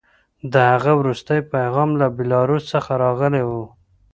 د هغه وروستی پیغام له بیلاروس څخه راغلی و